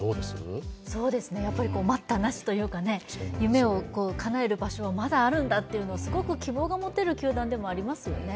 待ったなしというか、夢をかなえる場所はまだあるんだというのをすごく希望が持てる球団でもありますよね。